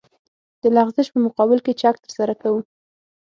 د لغزش په مقابل کې چک ترسره کوو